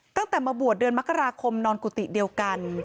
ตั้งแต่มาบวชเดือนมกราคมนอนกุฏิเดียวกัน